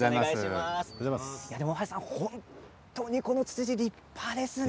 大橋さん、本当にこのツツジ立派ですね。